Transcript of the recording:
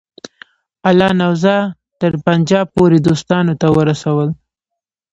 الله نواز تر پنجاب پوري دوستانو ته ورسول.